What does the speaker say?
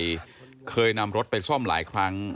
สุภาธนาชัยเคยนำรถไปซ่อมหลายครั้ง